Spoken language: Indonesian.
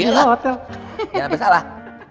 jangan sampai salah